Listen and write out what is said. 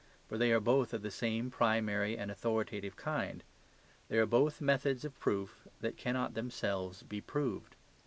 For they are both of the same primary and authoritative kind. They are both methods of proof which cannot themselves be proved.